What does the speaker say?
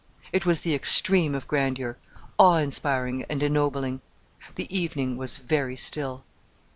It was the extreme of grandeur, awe inspiring and ennobling. The evening was very still.